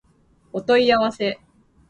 お問い合わせ